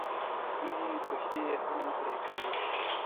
دوی پښې یې هم پرې کوي.